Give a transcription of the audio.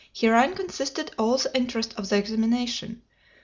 Herein consisted all the interest of the examination.